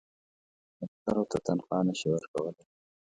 لښکرو ته تنخوا نه شي ورکولای.